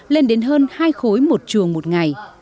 lên đến hơn hai khối một chuồng một ngày